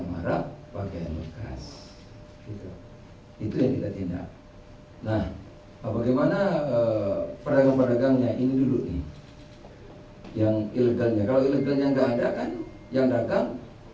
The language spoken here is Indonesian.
untuk sapa semua ini untuk apa yang kita lakukan tentu untuk melindungi industri dan umkm